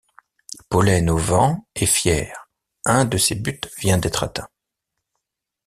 Pollen au Vent est fière, un de ses buts vient d’être atteint.